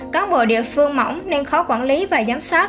cán bộ địa phương mỏng nên khó quản lý và giám sát